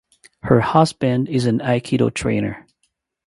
Her husband is an aikido trainer.